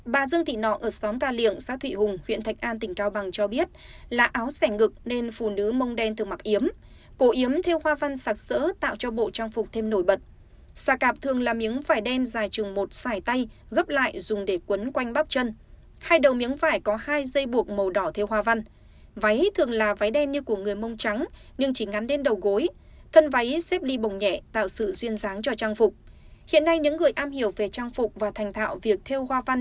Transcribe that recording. bà dương thị nọ ở xóm ca liện xã thụy hùng huyện thạch an tỉnh cao bằng cho biết trước đây để hoàn chỉnh một số trang phục của phụ nữ mông đen phải mất khoảng ba bốn tháng tất cả các công đoạn đều làm thủ công từ khâu xe sợi dệt phải đuộm tràm theo hoa văn